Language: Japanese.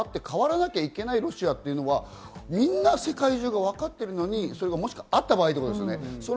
変わらなきゃいけないロシアというのは、みんな世界中がわかっているのに、もしあった場合ですよね。